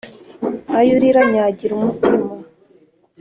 ayo urira anyagira umutima